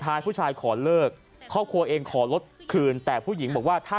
ผู้ชายขอเลิกครอบครัวเองขอรถคืนแต่ผู้หญิงบอกว่าถ้า